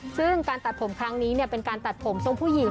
ซึ่งการตัดผมครั้งนี้เป็นการตัดผมทรงผู้หญิง